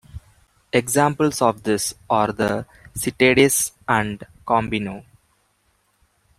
Examples of this are the Citadis and Combino.